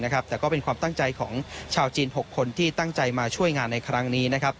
และก็เป็นความตั้งใจของชาวจีน๖คนที่ช่วยงานนะครั้งนี้